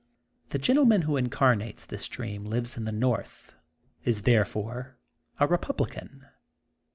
llie gentleman who incarnates this dream Uves in the north, is therefore a BetubUcan.